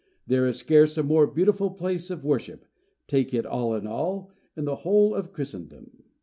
There is scarce a more beautiful place of worship, take it all in all, in the whole of Christendom.